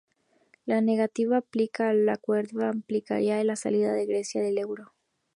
La negativa a aplicar el acuerdo implicaría la salida de Grecia del euro.